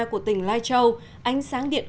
của tỉnh lai châu ánh sáng điện